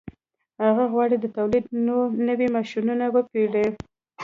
هغه غواړي د تولید نوي ماشینونه وپېري